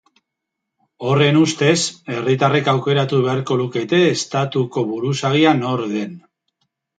Horren ustez, herritarrek aukeratu beharko lukete estatuko buruzagia nor den.